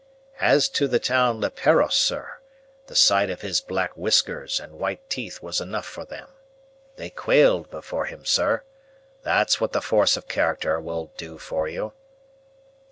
As to the town leperos, sir, the sight of his black whiskers and white teeth was enough for them. They quailed before him, sir. That's what the force of character will do for you."